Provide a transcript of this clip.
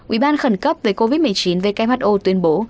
ủy ban khẩn cấp về covid một mươi chín who tuyên bố